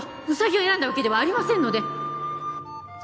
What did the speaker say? ウサギを選んだわけではありませんので